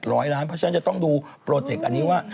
เพราะฉะนั้นจะต้องดูโปรเจกต์อันนี้ว่า